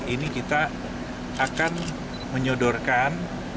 ini kita akan menyodorkan